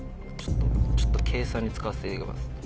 ちょっと計算に使わせていただきます。